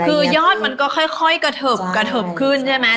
คือยอดมันก็ค่อยกระเทิบกระเทิบขึ้นใช่ไหม